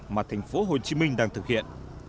mà thành phố hồ chí minh đang thực hiện